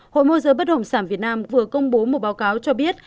hội môi giới bất động sản việt nam vừa công bố một báo cáo cho biết